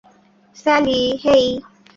Sally, হেই!